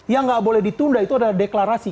yang nggak boleh ditunda itu adalah deklarasi